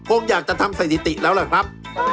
คงอยากจะทำเศรษฐรีติแล้วแหละครับ